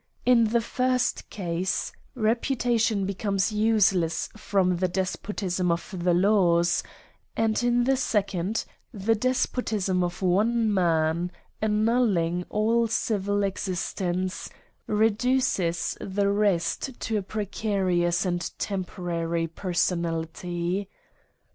In the first case, reputation becomes useless from F 42 AN ESSAY ON the despotism of the laws ; and in the second, the despotism of one man, annullingail civil existence reduces the rest to a precarious and temporary personality.